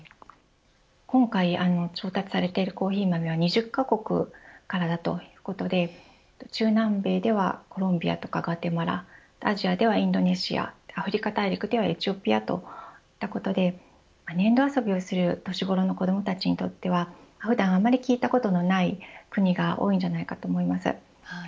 今回調達されているコーヒー豆は２０カ国からだということで中南米ではコロンビアとかグアテマラアジアではインドネシアアフリカ大陸ではエチオピアということで粘土遊びをする年頃の子どもたちにとっては普段あまり聞いたことのない国も多いと思います。